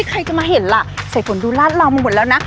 ใครจะมาเห็นล่ะสายฝนดูลาดเรามาหมดแล้วนะ